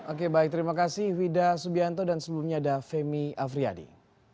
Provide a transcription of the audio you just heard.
oke baik terima kasih wida subianto dan sebelumnya ada femi afriyadi